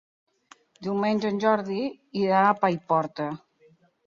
Diumenge en Jordi irà a Paiporta.